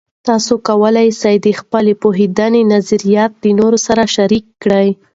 تاسې کولای سئ د خپل پوهاند نظریات د نورو سره شریک کړئ.